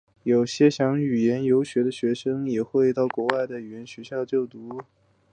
有些想语言游学的学生也会到国外的语言学校就读。